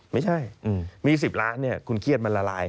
ไม่ใช่มี๑๐ล้านคุณเครียดมันละลาย